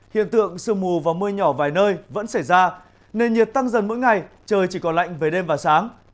hiện tượng sương mù và mưa nhỏ vài nơi vẫn xảy ra nền nhiệt tăng dần mỗi ngày trời chỉ còn lạnh về đêm và sáng